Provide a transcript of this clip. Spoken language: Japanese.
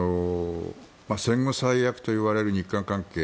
戦後最悪と言われる日韓関係。